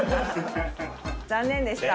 残念でした。